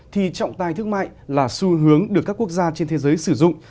thì trọng tài thương mại là xu hướng được các quốc gia trên thế giới sử dụng